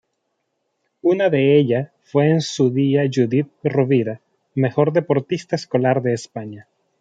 Una de ella fue en su día Judith Rovira, mejor deportista escolar de España.